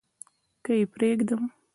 که يې پرېږدم .